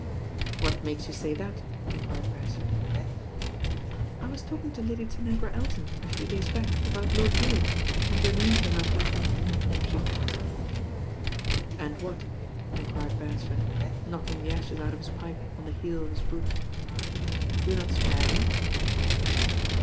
"What makes you say that?" enquired Beresford. "I was talking to Lady Tanagra Elton a few days back about Lord Drewitt, and your name came up, and " she paused. "And what?" enquired Beresford, knocking the •shes out of his pipe on the heel of his boot. "Do not spare me."